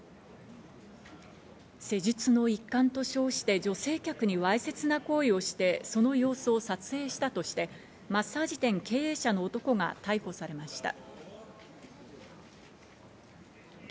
施術の一環と称して女性客にわいせつな行為をして、その様子を撮影したとして、マッサージ店経営者の男が逮捕されました。